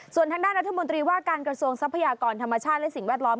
ส่วนทางด้านรัฐมนตรีว่าการกระทรวงทรัพยากรธรรมชาติและสิ่งแวดล้อม